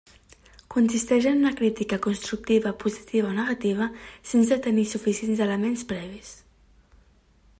Consisteix en una crítica constructiva positiva o negativa sense tenir suficients elements previs.